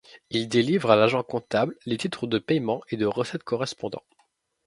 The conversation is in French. Il délivre à l'agent comptable les titres de paiement et de recettes correspondants.